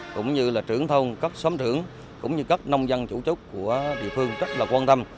cũng như trưởng thông các xóm trưởng cũng như các nông dân chủ trúc của địa phương rất quan tâm